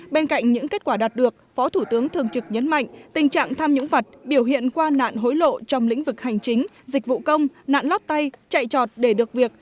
bên cạnh những kết quả đạt được phó thủ tướng thường trực nhấn mạnh tình trạng tham nhũng vật biểu hiện qua nạn hối lộ trong lĩnh vực hành chính dịch vụ công nạn lót tay chạy trọt để được việc